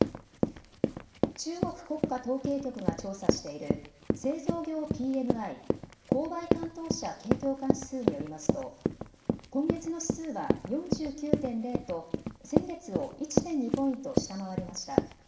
中国国家統計局が調査している製造業ＰＭＩ・購買担当者景況感指数によりますと今月の指数は４９．０と先月を１．２ポイント下回りました。